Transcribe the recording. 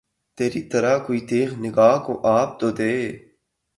تری طرح کوئی تیغِ نگہ کو آب تو دے